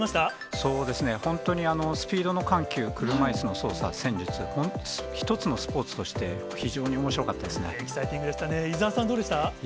そうですね、本当にスピードの緩急、車いすの操作、戦術、本当に一つのスポーツとして、エキサイティングでしたね。